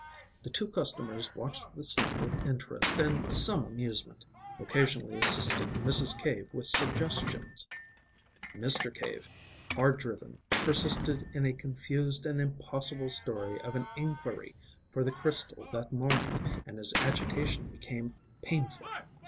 The two customers watched the scene with interest and some amusement, occasionally assisting Mrs. Cave with suggestions. Mr. Cave, hard driven, persisted in a confused and impossible story of an enquiry for the crystal that morning, and his agitation became painful.